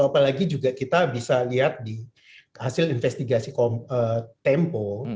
apalagi juga kita bisa lihat di hasil investigasi tempo